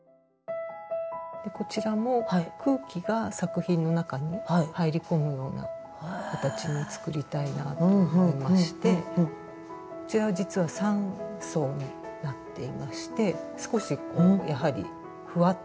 こちらも空気が作品の中に入り込むような形に作りたいなと思いましてこちらは実は３層になっていまして少しこうやはりふわっと立体的に。